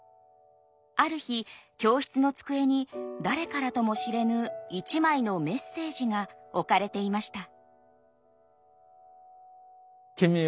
ある日教室の机に誰からとも知れぬ一枚のメッセージが置かれていました。